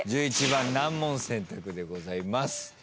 １１番難問選択でございます。